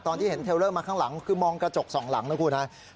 ตอนที่เห็นเทลเลอร์มาข้างหลังคือมองกระจกสองหลังนะครับ